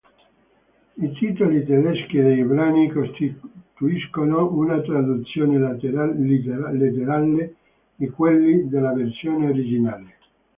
I titoli tedeschi dei brani costituiscono una traduzione letterale di quelli della versione originale.